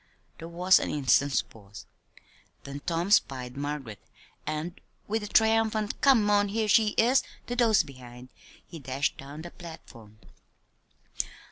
There was an instant's pause; then Tom spied Margaret, and with a triumphant "Come on here she is!" to those behind, he dashed down the platform.